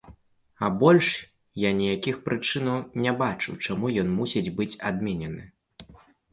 А больш я ніякіх прычынаў не бачу, чаму ён мусіць быць адменены.